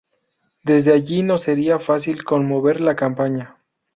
Desde allí nos sería fácil conmover la campaña.